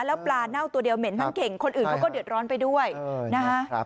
แล้วปลาเน่าตัวเดียวเหม็นทั้งเข่งคนอื่นเขาก็เดือดร้อนไปด้วยนะฮะ